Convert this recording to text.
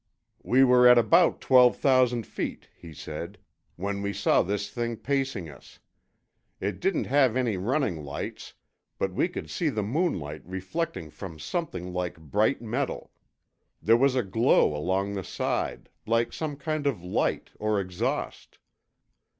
"We were at about twelve thousand feet," he said, when we saw this thing pacing us. It didn't have any running lights, but we could see the moonlight reflecting from something like bright metal. There was a glow along the side, like some kind of light, or exhaust."